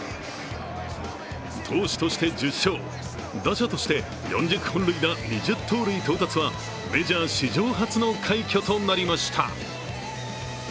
投手として１０勝、打者として４０本塁打・２０盗塁到達はメジャー史上初の快挙となりました。